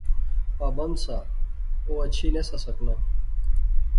پابند سا، او اچھی نہسا سکنا